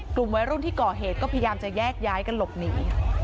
กลุ่มวัยรุ่นที่ก่อเหตุก็พยายามจะแยกย้ายกันหลบหนี